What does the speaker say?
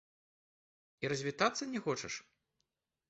І развітацца не хочаш?